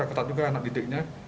kita juga anak didiknya